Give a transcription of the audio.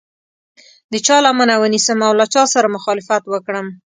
د چا لمنه ونیسم او له چا سره مخالفت وکړم.